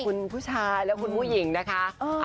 คุณผู้ชายและคุณผู้หญิงนะคะ